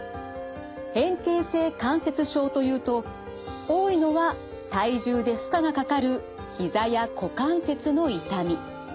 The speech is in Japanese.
変形性関節症というと多いのは体重で負荷がかかるひざや股関節の痛み。